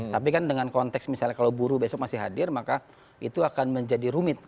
tapi kan dengan konteks misalnya kalau buruh besok masih hadir maka itu akan menjadi rumit